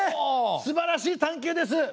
すばらしい探究です。